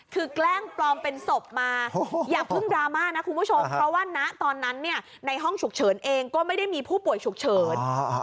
คือแกล้งปลอมเป็นศพมาอย่าเพิ่งดราม่านะคุณผู้ชมเพราะว่าณตอนนั้นเนี่ยในห้องฉุกเฉินเองก็ไม่ได้มีผู้ป่วยฉุกเฉิน